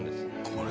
これ。